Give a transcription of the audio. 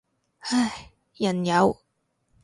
唉，人有